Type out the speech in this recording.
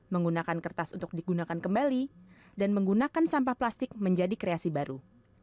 menggunakan kertas untuk digunakan kembali dan menggunakan sampah plastik menjadi kreasi baru